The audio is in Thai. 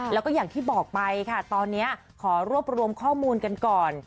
แล้วก็อย่างที่บอกไปค่ะตอนนี้ขอรวบรวมข้อมูลกันก่อน